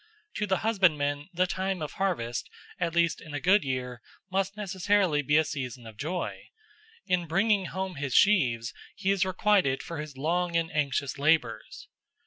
To the husbandman the time of harvest, at least in a good year, must necessarily be a season of joy: in bringing home his sheaves he is requited for his long and anxious labours.